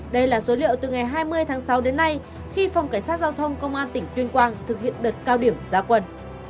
đây là số liệu từ ngày hai mươi tháng sáu đến nay khi phòng cảnh sát giao thông công an tỉnh tuyên quang thực hiện đợt cao điểm gia quân